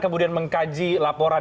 kemudian mengkaji laporan